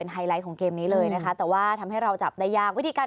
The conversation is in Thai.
เป็นไฮไลท์ของเกมนี้เลยนะคะ